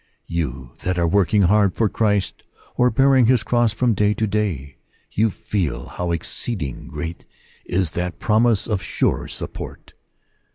You that are working hard for Christ, or bearing his cross from day to day, you feel how exceeding great is that promise of sure support.